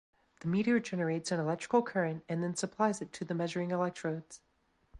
The meter generates an electrical current and then supplies it to the measuring electrodes.